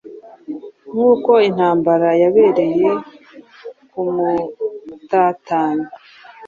Nkuko intambara yabereye kumutatanya